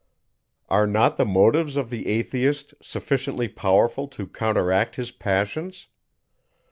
Are not the motives of the Atheist sufficiently powerful to counteract his passions?